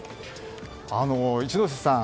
一之瀬さん